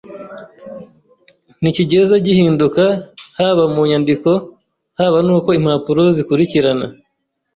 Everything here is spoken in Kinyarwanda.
nticyigeze gihinduka haba mu nyandiko, haba n’uko impapuro zikurikirana.